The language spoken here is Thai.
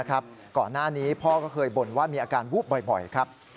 ก่อนหน้านี้พ่อก็เคยบ่นว่ามีอาการวูบบ่อยครับ